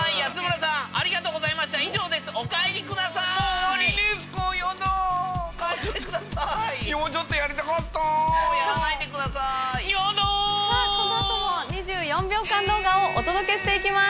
さあ、このあとも２４秒間動画をお届けしていきます。